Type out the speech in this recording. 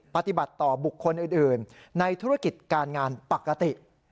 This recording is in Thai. ปฏิบัติต่อบุคคลอื่นในธุรกิจการงานปกติ